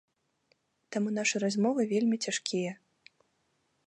Таму нашы размовы вельмі цяжкія.